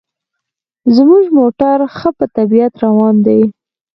زموږ موټر ښه په طبیعت روان دی.